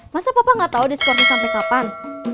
masa papa nggak tahu diskonnya sampai kapan